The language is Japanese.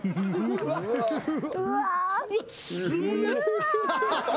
うわ。